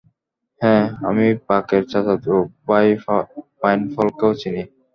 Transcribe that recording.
হ্যাঁ, আমি বাকের চাচাতো ভাই পাইন ফলকেও চিনি।